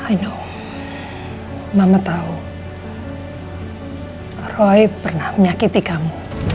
i know mama tau roy pernah menyakiti kamu